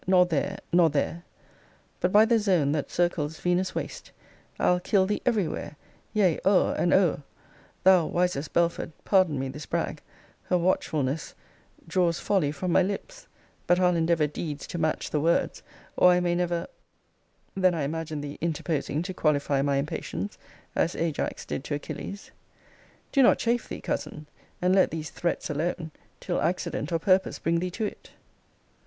nor there! nor there! But, by the zone that circles Venus' waist, I'll kill thee ev'ry where; yea, o'er and o'er. Thou, wisest Belford, pardon me this brag: Her watchfulness draws folly from my lips; But I'll endeavour deeds to match the words, Or I may never Then I imagine thee interposing to qualify my impatience, as Ajax did to Achilles: Do not chafe thee, cousin: And let these threats alone, Till accident or purpose bring thee to it.